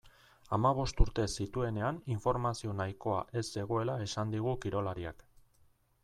Hamabost urte zituenean informazio nahikoa ez zegoela esan digu kirolariak.